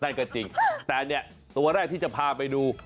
นั่นก็จริงแต่เนี่ยตัวแรกที่จะพาไปดู